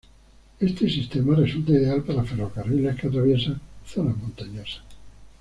Este sistema resulta ideal para ferrocarriles que atraviesan zonas montañosas.